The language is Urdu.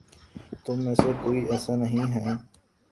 تم میں سے کوئی ایسا نہیں ہے